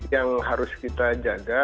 yang harus kita jaga